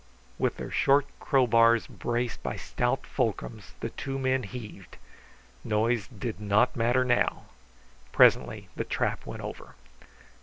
With their short crowbars braced by stout fulcrums the two men heaved. Noise did not matter now. Presently the trap went over.